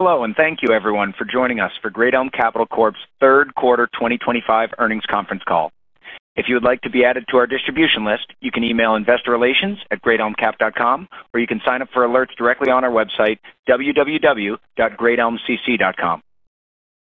Hello, and thank you, everyone, for joining us for Great Elm Capital Corp's third quarter 2025 earnings conference call. If you would like to be added to our distribution list, you can email investorrelations@greatelmcap.com, or you can sign up for alerts directly on our website, www.greatelmcc.com.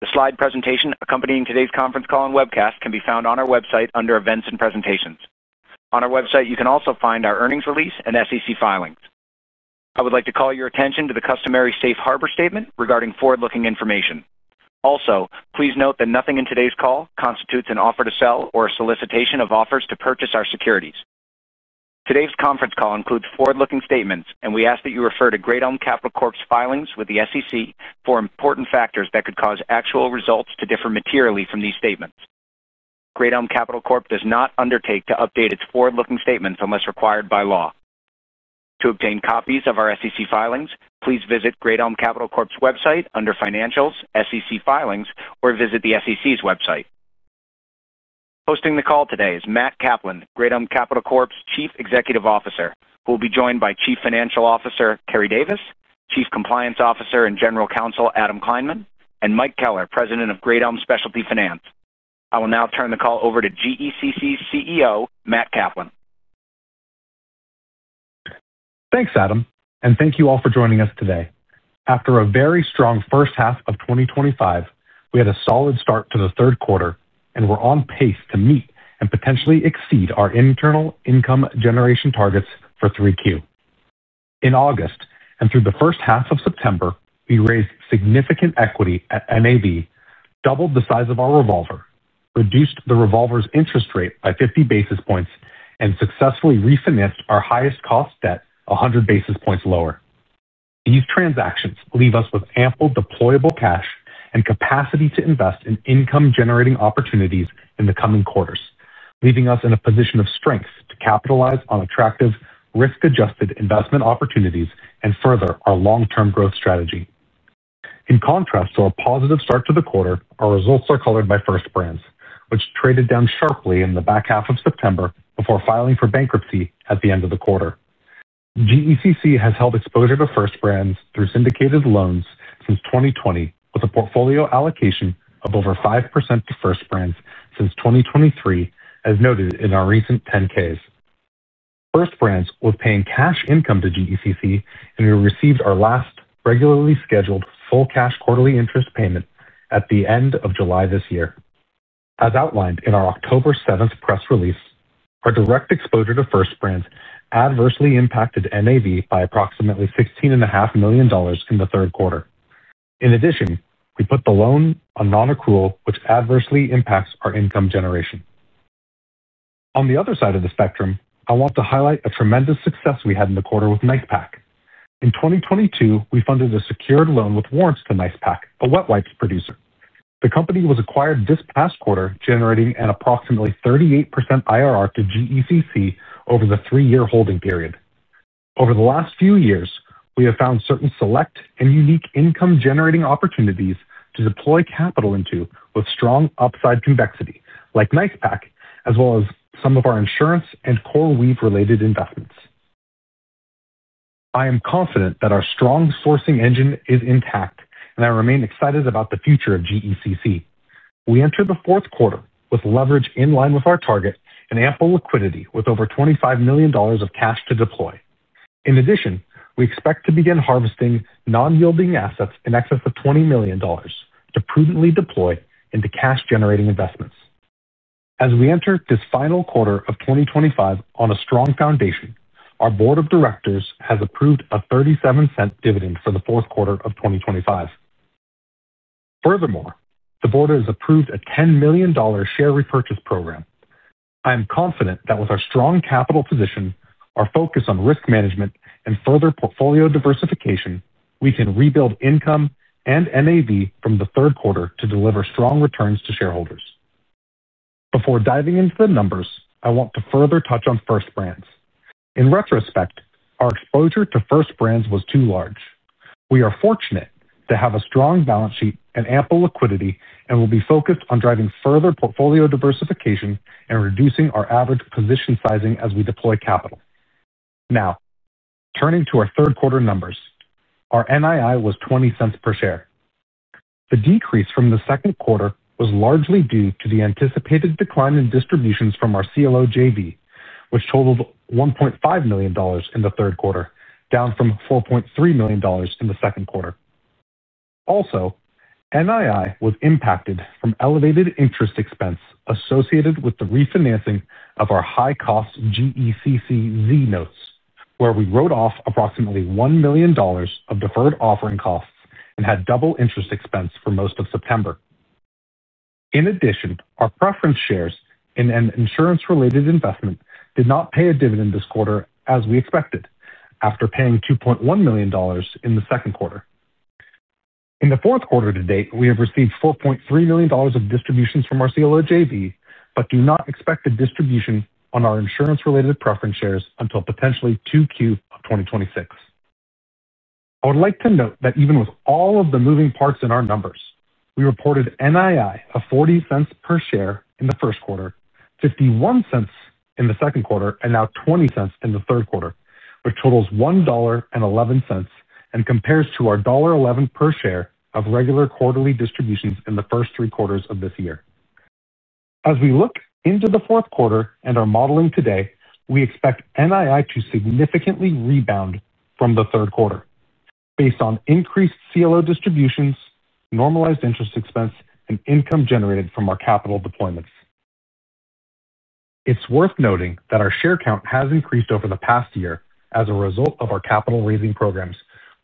The slide presentation accompanying today's conference call and webcast can be found on our website under Events and Presentations. On our website, you can also find our earnings release and SEC filings. I would like to call your attention to the customary safe harbor statement regarding forward-looking information. Also, please note that nothing in today's call constitutes an offer to sell or a solicitation of offers to purchase our securities. Today's conference call includes forward-looking statements, and we ask that you refer to Great Elm Capital Corp's filings with the SEC for important factors that could cause actual results to differ materially from these statements. Great Elm Capital Corp does not undertake to update its forward-looking statements unless required by law. To obtain copies of our SEC filings, please visit Great Elm Capital Corp's website under Financials, SEC Filings, or visit the SEC's website. Hosting the call today is Matt Kaplan, Great Elm Capital Corp's Chief Executive Officer, who will be joined by Chief Financial Officer Keri Davis, Chief Compliance Officer and General Counsel Adam Kleinman, and Mike Keller, President of Great Elm Specialty Finance. I will now turn the call over to GECC's CEO, Matt Kaplan. Thanks, Adam, and thank you all for joining us today. After a very strong first half of 2025, we had a solid start to the third quarter, and we're on pace to meet and potentially exceed our internal income generation targets for 3Q. In August and through the first half of September, we raised significant equity at NAV, doubled the size of our revolver, reduced the revolver's interest rate by 50 basis points, and successfully refinanced our highest cost debt 100 basis points lower. These transactions leave us with ample deployable cash and capacity to invest in income-generating opportunities in the coming quarters, leaving us in a position of strength to capitalize on attractive risk-adjusted investment opportunities and further our long-term growth strategy. In contrast to our positive start to the quarter, our results are colored by First Brands, which traded down sharply in the back half of September before filing for bankruptcy at the end of the quarter. GECC has held exposure to First Brands through syndicated loans since 2020, with a portfolio allocation of over 5% to First Brands since 2023, as noted in our recent 10-Ks. First Brands was paying cash income to GECC, and we received our last regularly scheduled full cash quarterly interest payment at the end of July this year. As outlined in our October 7th press release, our direct exposure to First Brands adversely impacted NAV by approximately $16.5 million in the third quarter. In addition, we put the loan on non-accrual, which adversely impacts our income generation. On the other side of the spectrum, I want to highlight a tremendous success we had in the quarter with Nice-Pak. In 2022, we funded a secured loan with warrants to Nice-Pak, a wet wipes producer. The company was acquired this past quarter, generating an approximately 38% IRR to GECC over the three-year holding period. Over the last few years, we have found certain select and unique income-generating opportunities to deploy capital into with strong upside convexity, like Nice-Pak, as well as some of our insurance and CoreWeave-related investments. I am confident that our strong sourcing engine is intact, and I remain excited about the future of GECC. We entered the fourth quarter with leverage in line with our target and ample liquidity, with over $25 million of cash to deploy. In addition, we expect to begin harvesting non-yielding assets in excess of $20 million to prudently deploy into cash-generating investments. As we enter this final quarter of 2025 on a strong foundation, our board of directors has approved a $0.37 dividend for the fourth quarter of 2025. Furthermore, the board has approved a $10 million share repurchase program. I am confident that with our strong capital position, our focus on risk management, and further portfolio diversification, we can rebuild income and NAV from the third quarter to deliver strong returns to shareholders. Before diving into the numbers, I want to further touch on First Brands. In retrospect, our exposure to First Brands was too large. We are fortunate to have a strong balance sheet and ample liquidity and will be focused on driving further portfolio diversification and reducing our average position sizing as we deploy capital. Now, turning to our third quarter numbers, our NII was $0.20 per share. The decrease from the second quarter was largely due to the anticipated decline in distributions from our CLO JV, which totaled $1.5 million in the third quarter, down from $4.3 million in the second quarter. Also, NII was impacted from elevated interest expense associated with the refinancing of our high-cost GECC Z notes, where we wrote off approximately $1 million of deferred offering costs and had double interest expense for most of September. In addition, our preference shares in an insurance-related investment did not pay a dividend this quarter as we expected, after paying $2.1 million in the second quarter. In the fourth quarter to date, we have received $4.3 million of distributions from our CLO JV, but do not expect a distribution on our insurance-related preference shares until potentially 2Q of 2026. I would like to note that even with all of the moving parts in our numbers, we reported NII of $0.40 per share in the first quarter, $0.51 in the second quarter, and now $0.20 in the third quarter, which totals $1.11 and compares to our $1.11 per share of regular quarterly distributions in the first three quarters of this year. As we look into the fourth quarter and our modeling today, we expect NII to significantly rebound from the third quarter, based on increased CLO distributions, normalized interest expense, and income generated from our capital deployments. It's worth noting that our share count has increased over the past year as a result of our capital raising programs,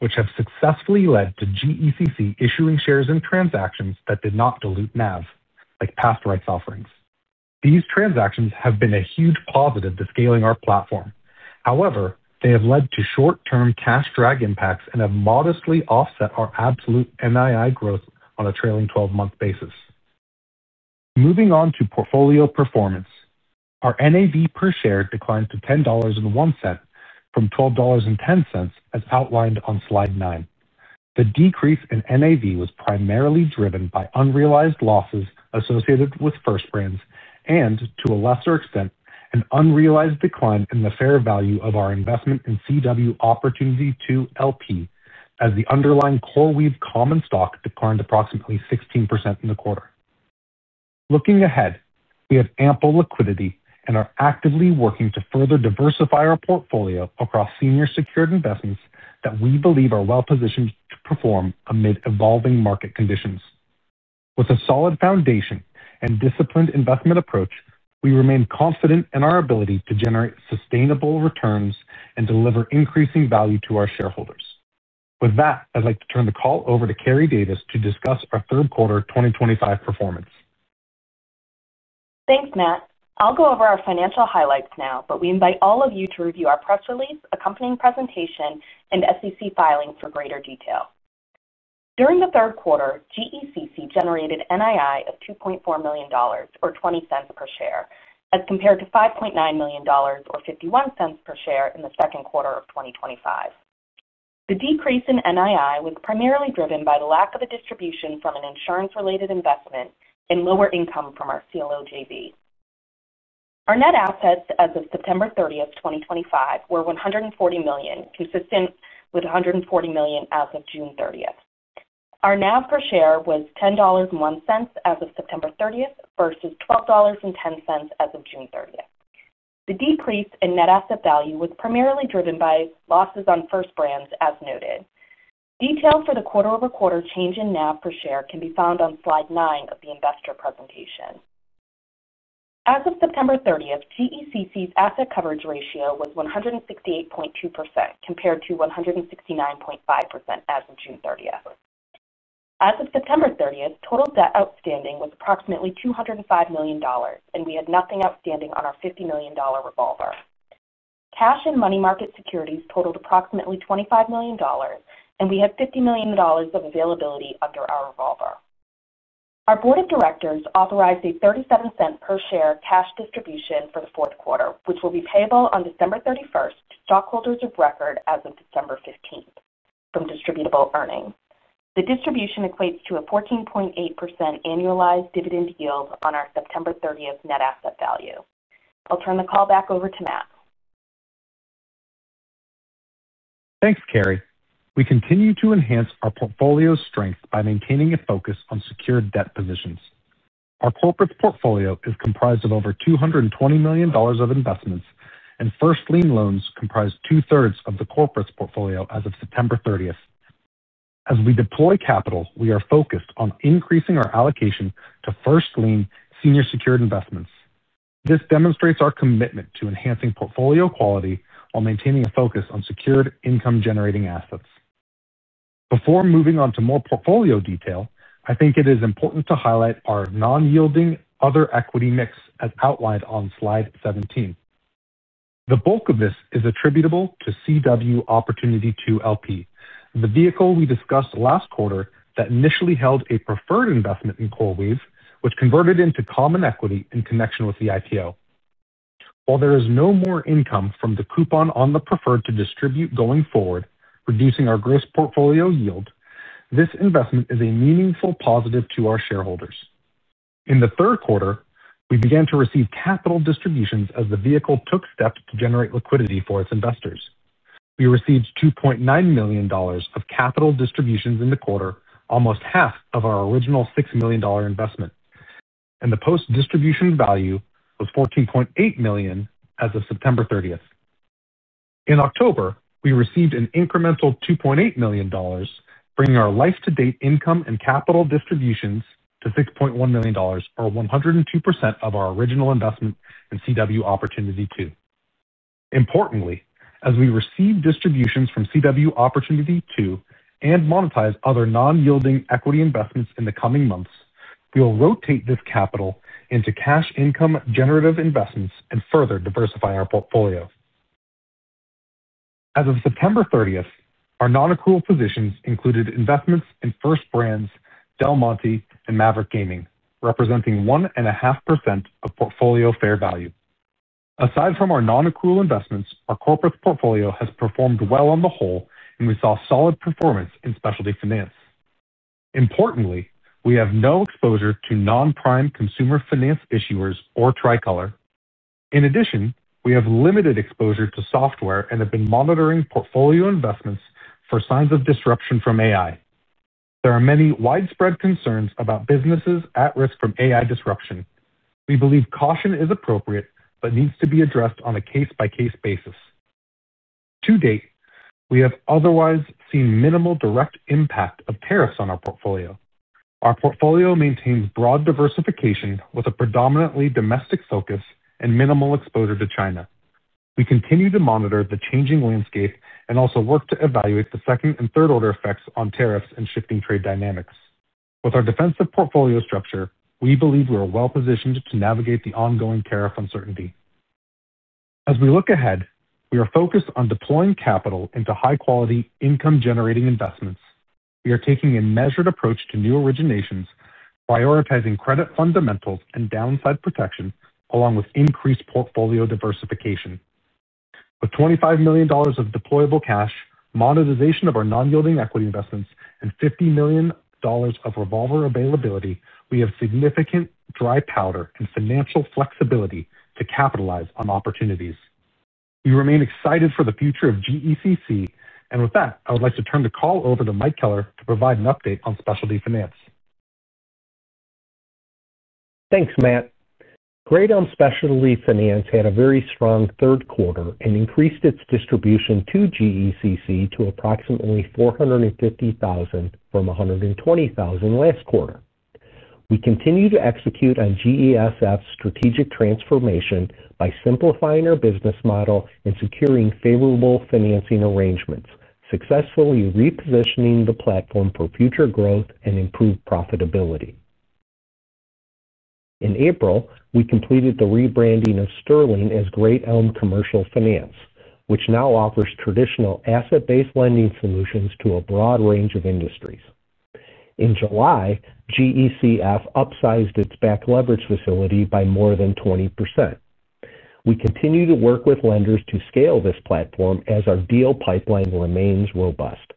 which have successfully led to GECC issuing shares in transactions that did not dilute NAV, like past rights offerings. These transactions have been a huge positive to scaling our platform. However, they have led to short-term cash drag impacts and have modestly offset our absolute NII growth on a trailing 12-month basis. Moving on to portfolio performance, our NAV per share declined to $10.01 from $12.10, as outlined on slide 9. The decrease in NAV was primarily driven by unrealized losses associated with First Brands and, to a lesser extent, an unrealized decline in the fair value of our investment in CW Opportunity 2 LP, as the underlying CoreWeave common stock declined approximately 16% in the quarter. Looking ahead, we have ample liquidity and are actively working to further diversify our portfolio across senior secured investments that we believe are well-positioned to perform amid evolving market conditions. With a solid foundation and disciplined investment approach, we remain confident in our ability to generate sustainable returns and deliver increasing value to our shareholders. With that, I'd like to turn the call over to Keri Davis to discuss our third quarter 2025 performance. Thanks, Matt. I'll go over our financial highlights now, but we invite all of you to review our press release, accompanying presentation, and SEC filing for greater detail. During the third quarter, GECC generated NII of $2.4 million, or $0.20 per share, as compared to $5.9 million, or $0.51 per share, in the second quarter of 2025. The decrease in NII was primarily driven by the lack of a distribution from an insurance-related investment and lower income from our CLO JV. Our net assets as of September 30th, 2025, were $140 million, consistent with $140 million as of June 30th. Our NAV per share was $10.01 as of September 30th versus $12.10 as of June 30th. The decrease in net asset value was primarily driven by losses on First Brands, as noted. Details for the quarter-over-quarter change in NAV per share can be found on slide 9 of the investor presentation. As of September 30, GECC's asset coverage ratio was 168.2%, compared to 169.5% as of June 30. As of September 30, total debt outstanding was approximately $205 million, and we had nothing outstanding on our $50 million revolver. Cash and money market securities totaled approximately $25 million, and we had $50 million of availability under our revolver. Our board of directors authorized a $0.37 per share cash distribution for the fourth quarter, which will be payable on December 31 to stockholders of record as of December 15, from distributable earning. The distribution equates to a 14.8% annualized dividend yield on our September 30 net asset value. I'll turn the call back over to Matt. Thanks, Keri. We continue to enhance our portfolio strength by maintaining a focus on secured debt positions. Our corporate portfolio is comprised of over $220 million of investments, and first lien loans comprise two-thirds of the corporate portfolio as of September 30. As we deploy capital, we are focused on increasing our allocation to first lien senior secured investments. This demonstrates our commitment to enhancing portfolio quality while maintaining a focus on secured income-generating assets. Before moving on to more portfolio detail, I think it is important to highlight our non-yielding other equity mix, as outlined on slide 17. The bulk of this is attributable to CW Opportunity 2 LP, the vehicle we discussed last quarter that initially held a preferred investment in CoreWeave, which converted into common equity in connection with the IPO. While there is no more income from the coupon on the preferred to distribute going forward, reducing our gross portfolio yield, this investment is a meaningful positive to our shareholders. In the third quarter, we began to receive capital distributions as the vehicle took steps to generate liquidity for its investors. We received $2.9 million of capital distributions in the quarter, almost half of our original $6 million investment, and the post-distribution value was $14.8 million as of September 30. In October, we received an incremental $2.8 million, bringing our life-to-date income and capital distributions to $6.1 million, or 102% of our original investment in CW Opportunity 2. Importantly, as we receive distributions from CW Opportunity 2 and monetize other non-yielding equity investments in the coming months, we will rotate this capital into cash income-generative investments and further diversify our portfolio. As of September 30th, our non-accrual positions included investments in First Brands, Del Monte, and Maverick Gaming, representing 1.5% of portfolio fair value. Aside from our non-accrual investments, our corporate portfolio has performed well on the whole, and we saw solid performance in specialty finance. Importantly, we have no exposure to non-prime consumer finance issuers or TriColor. In addition, we have limited exposure to software and have been monitoring portfolio investments for signs of disruption from AI. There are many widespread concerns about businesses at risk from AI disruption. We believe caution is appropriate but needs to be addressed on a case-by-case basis. To date, we have otherwise seen minimal direct impact of tariffs on our portfolio. Our portfolio maintains broad diversification with a predominantly domestic focus and minimal exposure to China. We continue to monitor the changing landscape and also work to evaluate the second and third-order effects on tariffs and shifting trade dynamics. With our defensive portfolio structure, we believe we are well-positioned to navigate the ongoing tariff uncertainty. As we look ahead, we are focused on deploying capital into high-quality income-generating investments. We are taking a measured approach to new originations, prioritizing credit fundamentals and downside protection, along with increased portfolio diversification. With $25 million of deployable cash, monetization of our non-yielding equity investments, and $50 million of revolver availability, we have significant dry powder and financial flexibility to capitalize on opportunities. We remain excited for the future of GECC, and with that, I would like to turn the call over to Mike Keller to provide an update on specialty finance. Thanks, Matt. Great Elm Specialty Finance had a very strong third quarter and increased its distribution to GECC to approximately $450,000 from $120,000 last quarter. We continue to execute on GESF's strategic transformation by simplifying our business model and securing favorable financing arrangements, successfully repositioning the platform for future growth and improved profitability. In April, we completed the rebranding of Sterling as Great Elm Commercial Finance, which now offers traditional asset-based lending solutions to a broad range of industries. In July, GECF upsized its back leverage facility by more than 20%. We continue to work with lenders to scale this platform as our deal pipeline remains robust.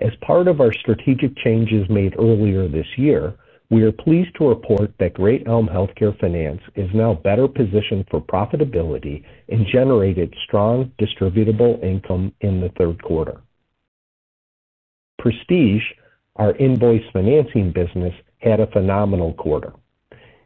As part of our strategic changes made earlier this year, we are pleased to report that Great Elm Healthcare Finance is now better positioned for profitability and generated strong distributable income in the third quarter. Prestige, our invoice financing business, had a phenomenal quarter.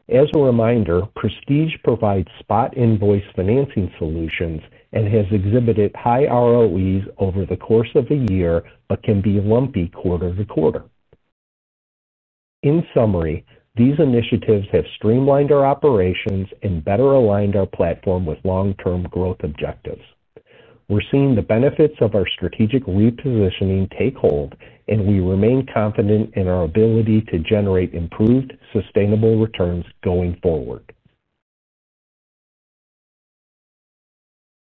As a reminder, Prestige provides spot invoice financing solutions and has exhibited high ROEs over the course of a year but can be lumpy quarter to quarter. In summary, these initiatives have streamlined our operations and better aligned our platform with long-term growth objectives. We are seeing the benefits of our strategic repositioning take hold, and we remain confident in our ability to generate improved, sustainable returns going forward.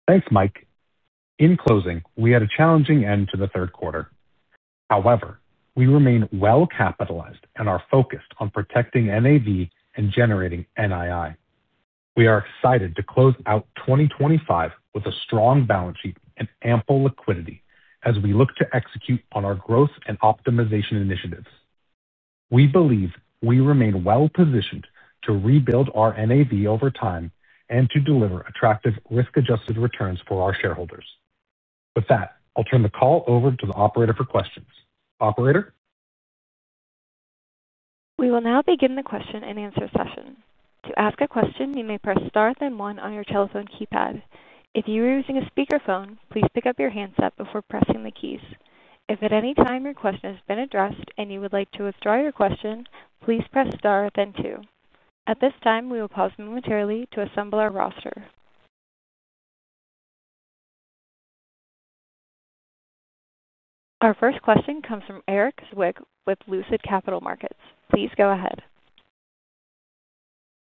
Thanks, Mike. In closing, we had a challenging end to the third quarter. However, we remain well-capitalized and are focused on protecting NAV and generating NII. We are excited to close out 2025 with a strong balance sheet and ample liquidity as we look to execute on our growth and optimization initiatives. We believe we remain well-positioned to rebuild our NAV over time and to deliver attractive risk-adjusted returns for our shareholders. With that, I'll turn the call over to the operator for questions. Operator? We will now begin the question and answer session. To ask a question, you may press star then one on your telephone keypad. If you are using a speakerphone, please pick up your handset before pressing the keys. If at any time your question has been addressed and you would like to withdraw your question, please press star then two. At this time, we will pause momentarily to assemble our roster. Our first question comes from Erik Zwick with Lucid Capital Markets. Please go ahead.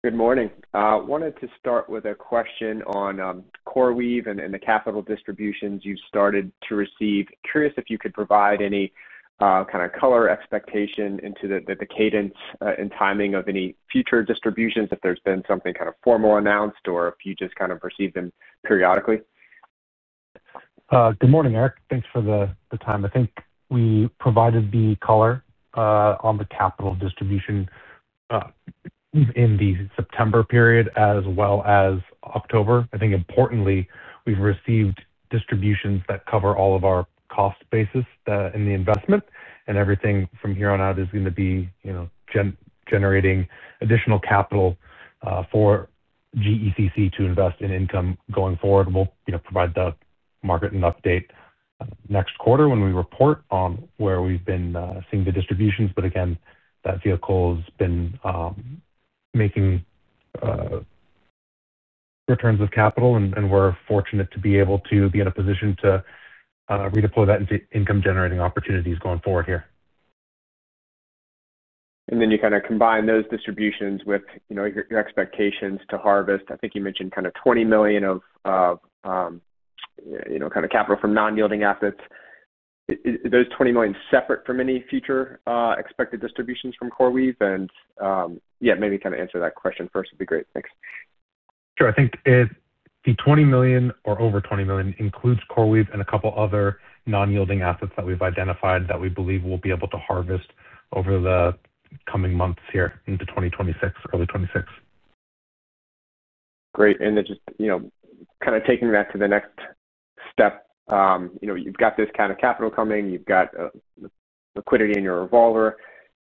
Good morning. I wanted to start with a question on CoreWeave and the capital distributions you've started to receive. Curious if you could provide any kind of color expectation into the cadence and timing of any future distributions, if there's been something kind of formal announced or if you just kind of receive them periodically. Good morning, Eric. Thanks for the time. I think we provided the color on the capital distribution in the September period as well as October. I think importantly, we've received distributions that cover all of our cost basis in the investment, and everything from here on out is going to be generating additional capital for GECC to invest in income going forward. We'll provide the market an update next quarter when we report on where we've been seeing the distributions. That vehicle has been making returns of capital, and we're fortunate to be able to be in a position to redeploy that into income-generating opportunities going forward here. You kind of combine those distributions with your expectations to harvest. I think you mentioned kind of $20 million of kind of capital from non-yielding assets. Is those $20 million separate from any future expected distributions from CoreWeave? Maybe kind of answer that question first would be great. Thanks. Sure. I think the $20 million or over $20 million includes CoreWeave and a couple of other non-yielding assets that we've identified that we believe we'll be able to harvest over the coming months here into 2026, early 2026. Great. Just kind of taking that to the next step. You've got this kind of capital coming. You've got liquidity in your revolver.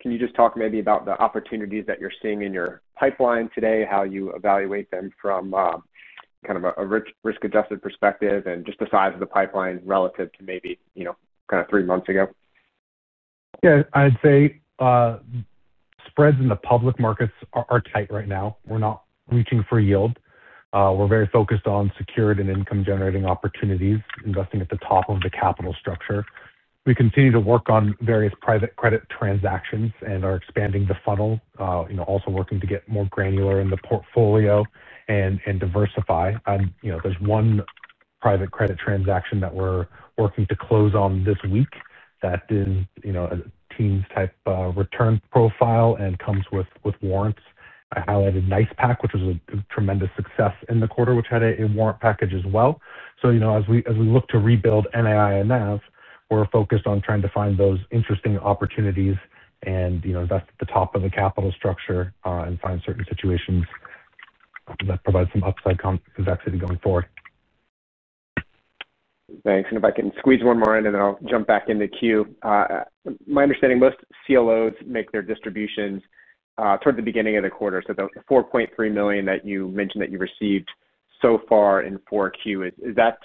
Can you just talk maybe about the opportunities that you're seeing in your pipeline today, how you evaluate them from kind of a risk-adjusted perspective, and just the size of the pipeline relative to maybe kind of three months ago? Yeah. I'd say spreads in the public markets are tight right now. We're not reaching for yield. We're very focused on secured and income-generating opportunities, investing at the top of the capital structure. We continue to work on various private credit transactions and are expanding the funnel, also working to get more granular in the portfolio and diversify. There's one private credit transaction that we're working to close on this week that is a teens-type return profile and comes with warrants. I highlighted Nice-Pak, which was a tremendous success in the quarter, which had a warrant package as well. As we look to rebuild NII and NAV, we're focused on trying to find those interesting opportunities and invest at the top of the capital structure and find certain situations that provide some upside convexity going forward. Thanks. If I can squeeze one more in, then I'll jump back into Q. My understanding, most CLOs make their distributions toward the beginning of the quarter. The $4.3 million that you mentioned that you received so far in 4Q, is that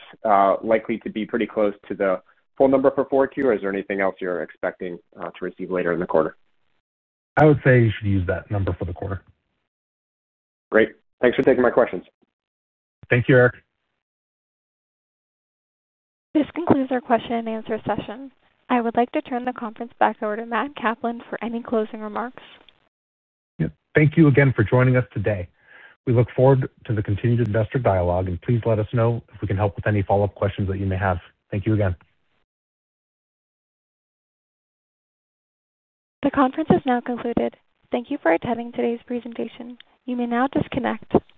likely to be pretty close to the full number for 4Q, or is there anything else you're expecting to receive later in the quarter? I would say you should use that number for the quarter. Great. Thanks for taking my questions. Thank you, Eric. This concludes our question and answer session. I would like to turn the conference back over to Matt Kaplan for any closing remarks. Yep. Thank you again for joining us today. We look forward to the continued investor dialogue, and please let us know if we can help with any follow-up questions that you may have. Thank you again. The conference is now concluded. Thank you for attending today's presentation. You may now disconnect.